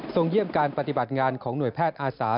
เยี่ยมการปฏิบัติงานของหน่วยแพทย์อาสา